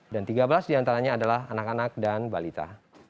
dan tiga belas diantaranya adalah anak anak dan balita